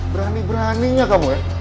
berani beraninya kamu ya